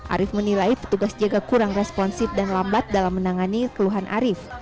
arief menilai petugas jaga kurang responsif dan lambat dalam menangani keluhan arief